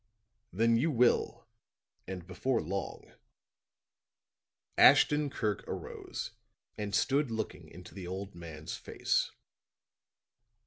"Then you will, and before long." Ashton Kirk arose and stood looking into the old man's face.